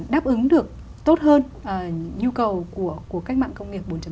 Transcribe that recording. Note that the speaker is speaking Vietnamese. đáp ứng được tốt hơn nhu cầu của cách mạng công nghiệp bốn ạ